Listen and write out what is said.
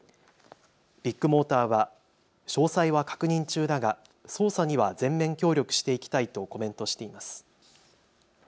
ビッグモーターは詳細は確認中だが捜査には全面協力していきたいとコメントしています。